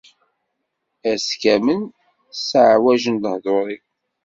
Ass kamel, sseɛwajen lehdur-iw.